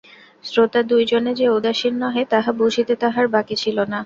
শ্রোতা দুইজনে যে উদাসীন নহে তাহা বুঝিতে তাঁহার বাকি ছিল না।